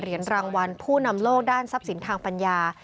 รางวัลผู้นำโลกด้านทรัพย์สินทางปัญญา